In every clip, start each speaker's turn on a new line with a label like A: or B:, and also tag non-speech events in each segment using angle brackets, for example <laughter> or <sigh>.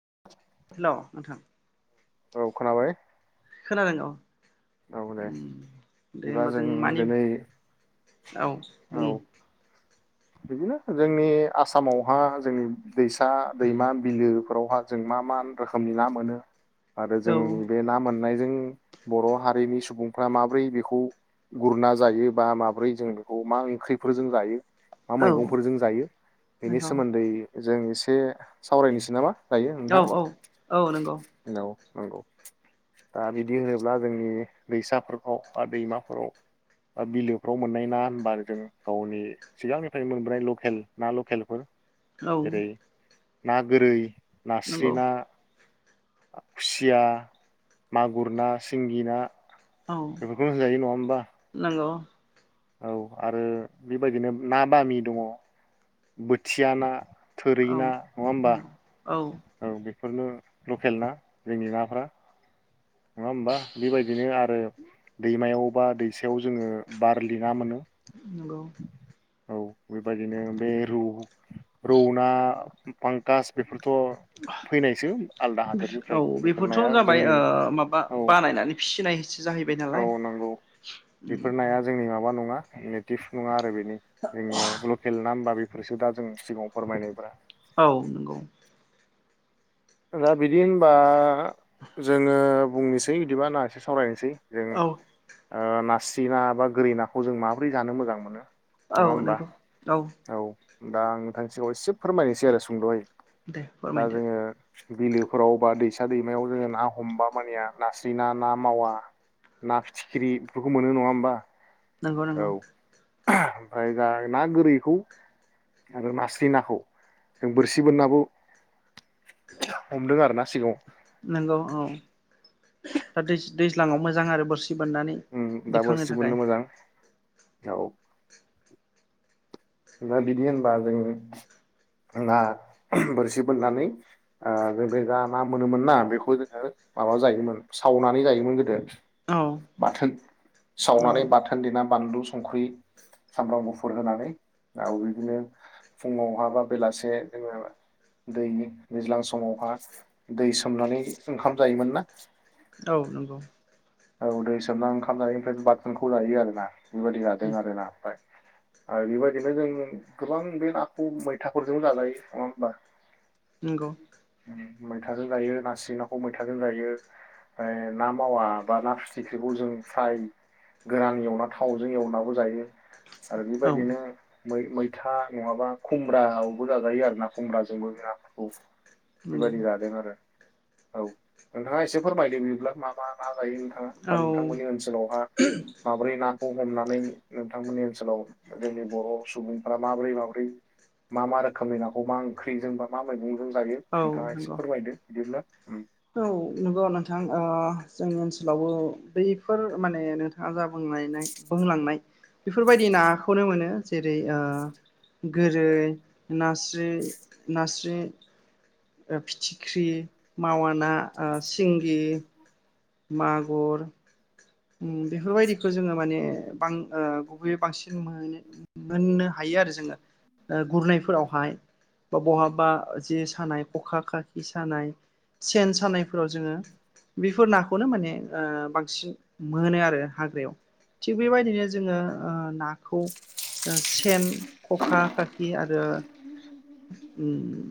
A: <inaudible>
B: Hello नोंथां।
A: औ खोनाबाय।
B: खोनादों औ।
A: औ दे
B: उम दे
A: बिदिबा
B: होमबा जों मानि
A: दिनै
B: औ
A: औ
B: बुं।
A: बिदिनो जोंनि आसामावहा जोंनि दैसा, दैमा, बिलो फोरावहा जों मा मा रोखोमनि ना मोनो? आरो
B: औ
A: जोंनि बे ना मोन मोननायजों बर' हारिनि सुबुंफ्रा माबोरै बेखौ गुरना जायो बा माब्रै जों बेखौ मा ओंख्रिफोरजों जायो? मा
B: औ
A: मैगंफोरजों जायो बेनि
B: नंगौ
A: सोमोन्दै जों एसे एसे सावरायनोसै नामा? दायो
B: औ
A: नोंथां
B: औ औ नंगौ।
A: औ नंगौ दा बिदि होनोब्ला जोंनि दैसाफोरखौ बा दैमाफोराव बा बिलोफ्राव मोननाय ना होनबा जों गावनि सिगांनि फ्राय मोनबोनाय लकेल ना लकेलफोर।
B: औ।
A: जेरै ना गोरै। नास्रि
B: नंगौ
A: ना। खुसिया मागुर ना सिंगि ना।
B: औ
A: बेफोरखौनो जायो नङा होमबा।
B: नंगौ
A: औ आरो बेबायदिनो ना बामि दङ। बोथिया ना। थोरै ना
B: औ
A: नङा होमबा औ बेफ बेफोरनो लकेल ना जोंनि नाफ्रा नङा होमबा बेबायदिनो आरो दैमायाव बा दैसायाव जोङो बारलिना मोनो।
B: नंगौ।
A: औ बेबायदिनो बे रौ रौना फांकास बेफोर थ' फैनायसो आलदा हादोरनिफ्राय बेफोरनाया जोंनि
B: बा
A: औ
B: बानायनानै फिसिनायसो जाहैबाय
A: औ
B: नालाय।
A: नंगौ नि दिप नङा आरो जोंनिआव लकेल ना होनबा बेफोरसो दा जों सिगाङाव फोरमायनायब्रा
B: औ नंगौ
A: दा बिदि होनबा जोङो बुंनोसै बिदिबा ना एसे सावरायनोसै जों
B: औ
A: ओ नासि सि ना बा गोरि नाखौ जों माबोरै जानो मोजां मोनो नङा
B: औ
A: होमबा
B: नंगौ औ
A: दा आं नोंथांनि सिाङाव एसे फोरमायनोसै आरो सुंद'यै
B: दे
A: दा
B: फोरमायदो
A: जोङो बिलोफोराव बा दैसा दैमायाव जोङो ना हमबा मानिया नास्रि ना ना मावा ना फिथिख्रि बेफोरखौ मोनो नङा होमबा
B: नंगौ नंगौ
A: <inaudible> ओमफाय दा ना गोरैखौ आरो नास्रि नाखौ जों बोरसि बोनाबो हमदों आरोना सिगाङाव
B: नंगौ औ दा दैज्लाङाव मोजां आरो बोरसि बान्नानै
A: उम दा
B: दिखांनो
A: बोरसि बोननो
B: थाखाय
A: मोजां औ दा बिदि होनबा जों ना बोरसि बोननानै ओ जों बे जा ना मोनोमोन ना बेखौ जोङो माबा जायोमोन सावनानै जायोमोन गोदो
B: औ
A: बोथोन सावनानै
B: नंगौ
A: बाथोन देना बानलु संख्रि सामब्राम गुफुर होनानै आरो बिदिनो फुङावहा बा बेलासे जोङो दै दैज्लां समावहा दै सोमनानै ओंखाम जायोमोन ना
B: औ नंगौ
A: औ दैै सोमना ओंखाम जायो ओमफ्राय बाथोनखौ जायो आरोना बेबायदि जादों आर ना ओमफ्राय बेबायदिनो जों गोबां बे नाखौ मैथाफोरजों जाजायो नङा होमबा
B: नोंगौ
A: मैथाजों गायो ना सिं नाखौ मैथाजों गायो ओमफ्राय ना मावा बा ना फिथिख्रिखौ जों फ्राय गोरान एवना थावजों एवनो जायो आरो
B: औ
A: बेबायदिनोै मै मैथा नङाबा खुमब्रायावबो जाजायो आरो ना खुमब्राजोंबो बेाफोरखौ
B: नंगौ
A: बेबायदि जादों आरो औ नोंथाङा एसे फोरमायदों बिदिब्ला माबा ना जायो नोंथाङा बा
B: औ
A: नोंथांमोननि ओनसोलावहा माबोरै नाखौ हमनानै नोंथांमोननि ओनसोलाव जोंनि बर' सुबुंफोरा माबोरै माबोरै मा मा रोखोमनि नाखौ मा ओंख्रिजों बा मा मैगंजों जायो नोंथाङा एसे
B: नंगौ
A: फोरमायदो बिदिनो
B: औ नंगौ नोंथां ओ जोंनि ओनसोलावबो बैफोर माने नोंथाङा जा बुंलायनाय बुंलांनाय बेफोरबायदि नाखौनो मोनो जेरै ओ गोरै नास्रि नास्रि फिथिख्रि मावा ना आ सिंगि मागुर उम बेफोरबायदिखौ जोङो माने बां ओ गुबैयै बांसिन मोनो मोननो हायो आरो जोङो गुरनायफोरावहाय बा बहाबा जे सानाय खखा खाखि सानाय सेन सानायफोराव जोङो बेफोर नाखौनो माने ओ बांसिन मोनो आरो हाग्रायाव थिग बेबायदिनो जोङो ओ नाखौ। सेन खखा खाखि आरो ओम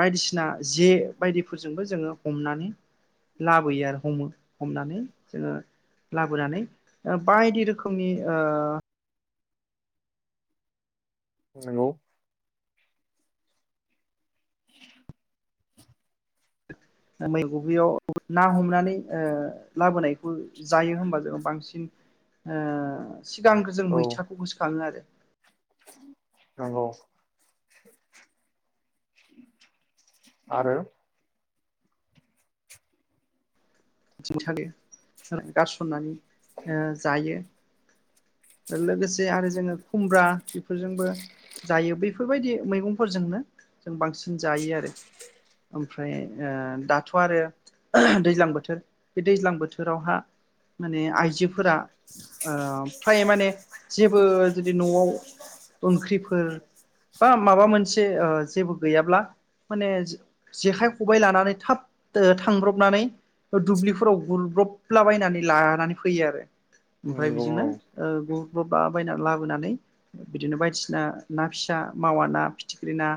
B: बायदिसिना जे बायदिफोरजोंबो जोङो हमनानै लाबोयो आरो हमो हमनानै जोङो लाबोनानै बायदि रोखोमनि ओ
A: नोंगौ
B: ओ मैग' गैयाव ना हमनानै ओ लाबोनायखौ जायो होमबा जो जोङो बांसिन ओ सिगांगो जों
A: औ
B: मैथाखौ गोसोखाङो आरो।
A: नंगौ आरो
B: <unintelligible> गैया गारसननानै ओ जायो। लोगोसे आरो जोङो खुमब्रा बेफोरजोंबो जायो बेैफोरबायदि मैगंफोरजोंनो जों बांसिन जायो आरो ओमफ्राय ओ दाथ' आरो दैज्लां बोथोर बे दैज्लां बोथोरावहा माने आइजोफोरा ओ फ्राय माने जेबो जुदि न'आव ओंख्रिफोर बा माबा मोनसे ओ जेबो गैयाब्ला माने जे जेखाइ खबाइ लानानै थाब दो थांब्रबनानै ओ दुब्लिफोराव गुरब्रला बायनानै लानानै फैयो आरो ओमफाय
A: नंगौ
B: बिजोंनो
A: औ
B: ओ गु बबा बायना लाबोनानै बिदिनो बायदिसिना ना फिसा मावा ना फिथिख्रि ना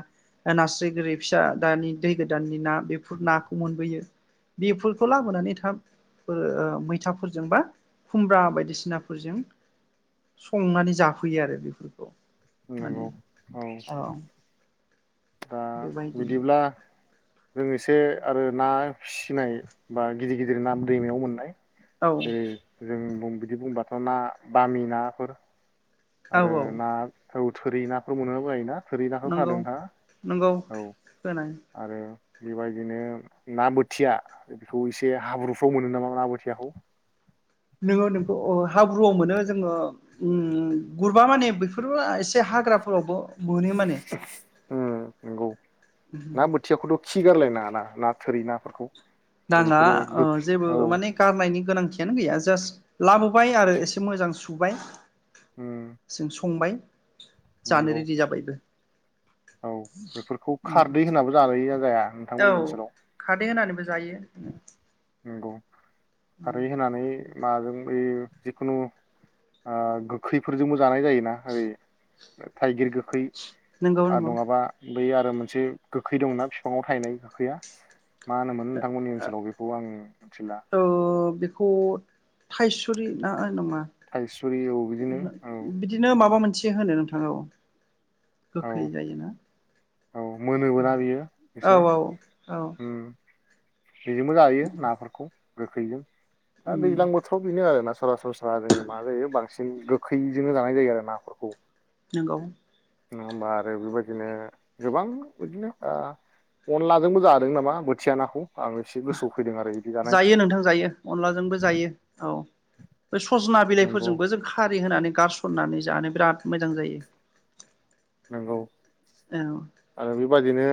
B: ओ नास्राय गोरि फिसा दानि दै गोदाननि ना बेफोर नाखौ मोनबोयो बेफो खौ लाबोनानै थाब बो ओ मैथाफोरजों बा खुमब्रा बायदिसिनाफोरजों संनानै जाफैयो आरो बेफोरखौ। माने
A: नोंगौ औ ओ दा
B: बेबायदिनो
A: बिदिब्ला जों एसे आरो ना फिसिनाय बा गिदिर गिदिर ना दैमायाव मोननाय
B: औ
A: जे जों बुं बिदि बुंबाथ' ना बामि नाफोर
B: औ
A: आरो
B: औ
A: ना औ थोरि नाफोर मोनोबायो ना थोरिनाखो खा
B: नंगौ
A: नोंथांङा?
B: नंगौ
A: औ
B: खोनायो
A: आरो बिबायदिनो ना बोथिया बेखौ एसे हाब्रुफ्राव मोनो नामा ना बोथियाखौ?
B: नोङो नोंखौ अ हाब ब्रुआव मोनो जोङो उम गुरबा माने बैफोरबो एसे हाग्राफोरावबो मोनो माने
A: उम नंगौ ना बोथियाखौथ' खिगारलायनाङाना ना थोरि नाफोरखौ आरो
B: नाङा
A: बेफोरो
B: ओ
A: गो
B: जेबो
A: औ
B: माने गारनायनि गोनांथियानो गैया जास्ट लाबोबाय आरो एसे मोजां सु सुबाइ
A: उम
B: जों संबाय जानो
A: नंगौ
B: रेडि जाबायबो
A: औ बेफोरखौ खारदै होनाबो जाजायो जाया
B: औ
A: नोंथांमोननि ओनसोलाव
B: खारदै होनानैबो जायो
A: नंगौ खारै होनानै नाजों बै जिखुनु ओ गोखैफोरजोंबो जानाय जायोना ओरै थाइगिर गोख खै
B: नंगौ
A: आरो
B: नंगौ
A: नङाबा बै आरो मोनसे गोखै दंना फिफांआव थायनाय गोखैया मा होन
B: औ बेखौ थाइससु सुरि ना नङा
A: थाइसुरि औ बिदिनो औ
B: बिदिनो माबा मोन एसे होनो नोंथां औ
A: औ
B: गोखै जायोना
A: औ मोनोबोना बियो
B: औ
A: एसे
B: औ औ
A: उम बेजोंबो जायो
B: नंगौ
A: नाफोरखौ गोखैजों दा
B: उम
A: दैज्लां बोथोराव बेनो आरो ना सरासनस्रा जोङो मा जायो बां बांसिन गोखैजोंनो जानाय जायो आरो नाफोरखौ।
B: नंगौ
A: नङा होमबा आरो बेबायदिनो गोबां बिदिनो ओ अनलाजोंबो जादों नामा बोथिया नाखौ। आं एसे गोसोआव फैदों आरो बिदि जानाय
B: जायो नोंथां जायो अनलाजोंबो जायो औ। बे सजना
A: नंगौ
B: बिलाइफोरजोंबो जों खारि होनानै गारसननानै जानो बिराद मोजां जायो।
A: नोंगौ
B: औ
A: आरो बेबादिनो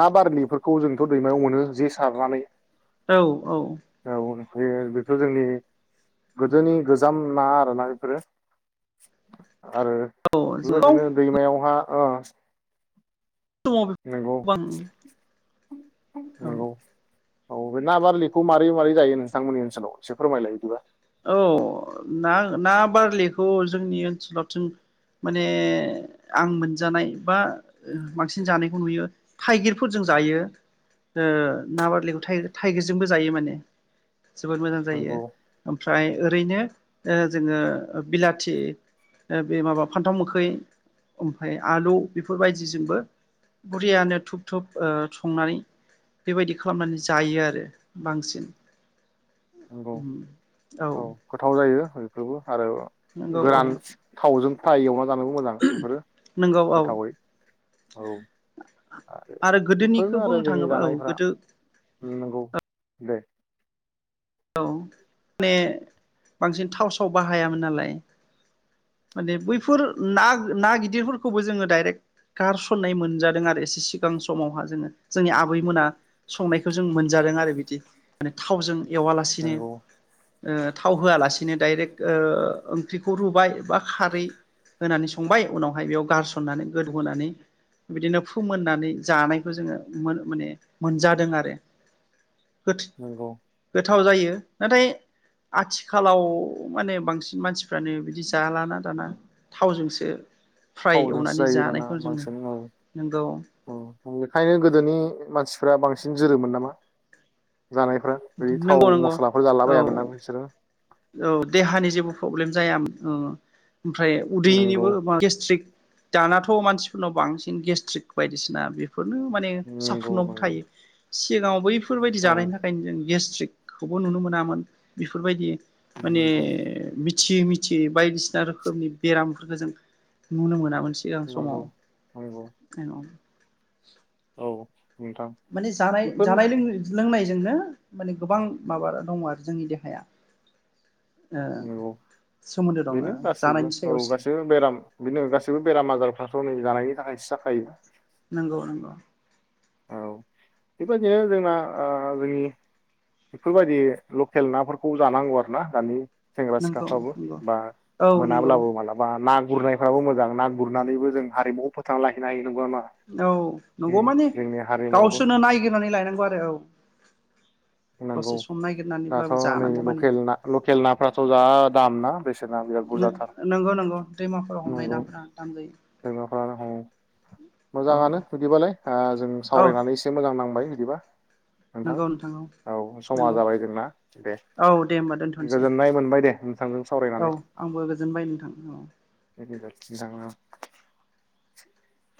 A: ना बारलिफोरखौ जोंथ' दैमायाव मोनो जे सारनानै।
B: औ औ।
A: औ बे बेफोर जोंनि गोदोनि गोजाम ना आरोना बेफोरो। आरो
B: औ जों
A: बेफबायदिनो। एयावहा ओ।
B: समाव
A: नोंगौ
B: गोबां औ
A: नोंगौ। औ बे ना बारलिखौ मारै मारै जायो नोंथांमोननि ओनसोलाव एसे फोरमायलाय इदिबा।
B: औ ना ना बारलिखौ जोंनि ओनसोलावथो माने आं मोनजानाय बा बांसिन जानायखौ नुयो थाइगिरफोरजों जायो ओ ना बारलिखौ थाइग-थाइगिरजोंबो जायो माने। जोबोद मोजां जायो।
A: नंगौ
B: ओमफ्राय ओरैनो ओ जोङो बिलाथि ओ बे माबा फान्थाव मोखै ओमफाय आलु बेफोरबायदिजोंबो बुरियानो धुब धुब ओ संनानै बेबायदि खालामनानै जायो आरो बांसिन। औ
A: अ गोथाव जायो। यैफोरबो। आरो
B: नंगौ औ
A: गोरान थावजों। फ्राय <unintelligible> जानोबो मोजां इफोरो
B: नंगौ औ
A: गोथावै। औ
B: आरो
A: बेफोरनो
B: गोदोनिखौ
A: आरो
B: बुंनो
A: जोंनि
B: थाङोबा औ
A: जानायफ्रा
B: गोदो
A: नंगौ
B: ओ
A: दे।
B: औ माने बांसिन थाव साव बाहायामोन नालाय माने बैफोर ना ना गिदिरफोरखौबो जोङो डाइरेक्ट गारसननाय मोनजादों आरो एसे सिगां समावहा जोंङो जोंनि आबैमोना संनायखो जों मोनजादों आरो बिदि माने थावजों। एवालासिनो।
A: नंगौ
B: ओ थाव होआलासेनो डाइरेक्ट ओ ओंख्रिखौ रुबाय बा खारै होनानै संबाय उनावहाय बेयाव गारसननानै गोदौहोनानै बिदिनो फोमोननानै जानायखौ जोङो मोन माने मोनजादों आरो।
A: नंगौ।
B: थाव जायो नाथाय आथिखालाव माने बांसिन मानसिफ्रानो बिदि जाालाना दाना थावजोंसो। फ्राय
A: फावजोंसो
B: एवनानै
A: जायो दाना
B: जानायखौ जों मोनो।
A: बांसिन
B: नंगौ
A: उम उज्ञ बेखायनो गोदोनि मानसिफ्रा बांसिन जोरोमोन नामा। जानायफ्रा बिदि थाव
B: नंगौ नंगौ
A: मस्लाफोर जालाबायामोन
B: औ
A: नो बैसोरो।
B: औ देहानि जेबो प्रब्लेम जायाामोन ओ ओ। ओमफ्राय
A: नंगौ
B: उदैनिबोा बा गेस्ट्रिक। दानाथ' मानसिफोरनाव बांसिन गेस्ट्रिक बायदिसिना बेफ फोरनो माने
A: नंगौ
B: साफ्रुमनावबो
A: नंगौ
B: थायो। सिगाङाव बैफोरबायदि
A: औ
B: जानायनि थाखायनो जों गेस्ट्रिकखौबो नुनो मोनामोन बेफोरबायदि। माने
A: नंगौ
B: बिथ थियै मिथियै बायदिसिना रोखोमनि बेरामफोरखो जों नुनो मोनामोन। सिगां
A: नंगौ
B: समाव
A: नंगौ
B: औ। <inaudible>
A: औ नोंथां
B: माने जानाय
A: बेफोरनो
B: जानाय लों-लोंनाय जोंना माने गोबां माबा दङ आरो जोंनि देहाया। ओ
A: औ
B: सोमोन्दो दङ
A: बेनो गासैबो
B: जानायनि
A: औ
B: सायावसो
A: गासैबो बेराम बेनो गासैबो बेराम आजारफ्राथ' नै जानायनि थाखायसो जाखायोना।
B: नोंगौ नोंगौ
A: औ बेबायदिनो जोंना ओ जोंनि बेफोरबायदि लकेल नाफोरखौ जानांगौ आरो ना दानि सेंग्रा
B: नंगौ
A: सिख्लाफ्राबो
B: नंगौ
A: बा
B: औ नंगौ
A: मोनाब्लाबो मालाबा ना गुरनायफ्राबो मोजां ना गुरनानैबो जों हारिमुखौ फोथांना लाखिनो हायो। नंगौना
B: औ
A: नङा
B: नंगौ
A: उम
B: मान
A: जोंनि हारिमुवाबो
B: गावसोरनो नायग्रोनानै लायनांगौ आरो औ
A: नांगौ
B: दसे सम
A: दाथ'
B: नायगिरनानैब्लाबो
A: नै
B: जानांगौ माने
A: लकेल ना लकेल नाफ्राथ' जा दाम ना बेसे ना बिराद बुरजाथार
B: नंगौ नंगौ दैमाफोराव हमनाय
A: नंगौ
B: नाफोरा दाम जायो
A: <unintelligible>
B: औ
A: मोजाङानो बिदिबालाय आ जों सावरायनानै एसे मोजां नांबाय बिदिबा
B: नोंगौ नोंथां औ
A: औ समा
B: नंगौ
A: जाबाय जोंना दे
B: औ दे होमबा दोनथ'नोसै
A: गोजोननाय मोनबाय दे उम
B: औ आंबो गोजोनबाय नोंथां औ
A: <unintelligible>